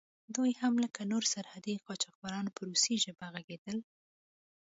دوی هم لکه نور سرحدي قاچاقبران په روسي ژبه غږېدل.